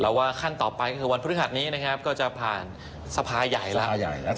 เราว่าขั้นต่อไปคือวันพฤศจรรย์นี้ก็จะผ่านสภาใหญ่แล้ว